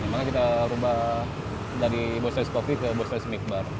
maka kita ubah dari bostadis coffee ke bostadis milk bar